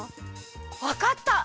わかった！